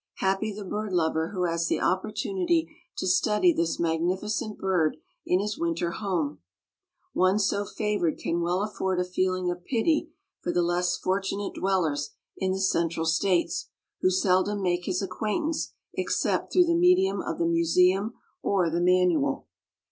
Happy the bird lover who has the opportunity to study this magnificent bird in his winter home; one so favored can well afford a feeling of pity for the less fortunate dwellers in the central states who seldom make his acquaintance except through the medium of the museum or the manual.